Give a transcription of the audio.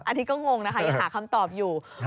อันนี้ก็งงนะคะยังหาคำตอบอยู่